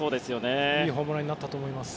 いいホームランになったと思います。